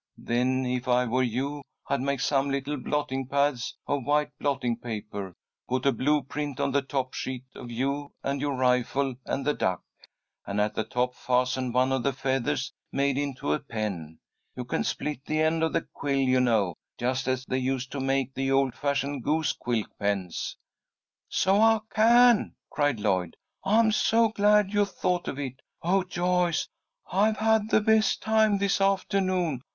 Then if I were you I'd make some little blotting pads of white blotting paper, put a blue print on the top sheet, of you and your rifle and the duck, and at the top fasten one of the feathers made into a pen. You can split the end of the quill, you know, just as they used to make the old fashioned goose quill pens." "So I can!" cried Lloyd. "I'm so glad you thought of it. Oh, Joyce, I've had the best time this aftahnoon!